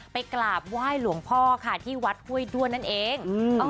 ไปกราบไหว้หลวงพ่อค่ะที่วัดห้วยด้วนนั่นเอง